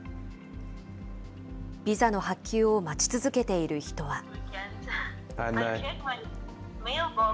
ビザの発給を待ち続けている人は。